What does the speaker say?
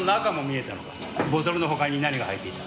ボトルの他に何が入っていた？